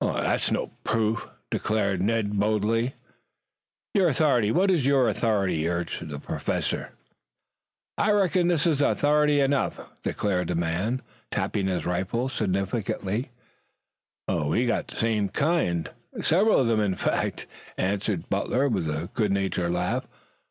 "That's no proof," declared Ned boldly. "Your authority what is your authority?" urged the Professor. "I reckon this is authority enough," declared the man, tapping his rifle significantly. "We've got some of the same kind, several of them in fact," answered Tad, with a good natured laugh.